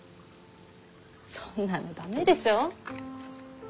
そんなの駄目でしょう？